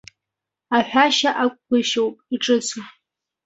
Аҳәашьа акәгәышьоуп, иҿыцу.